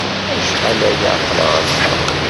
Acḥal ay aql-aɣ ass-a?